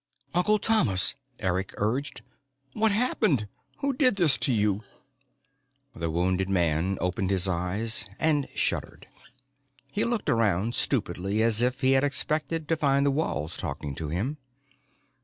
"Uncle Thomas," Eric urged. "What happened? Who did this to you?" The wounded man opened his eyes and shuddered. He looked around stupidly as if he had expected to find the walls talking to him.